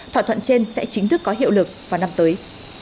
thỏa thuận trên sẽ chính thức có hiệu lực vào năm tới